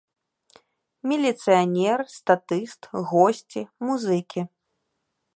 Міліцыянер, статыст, госці, музыкі.